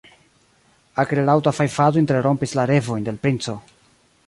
Akrelaŭta fajfado interrompis la revojn de l' princo.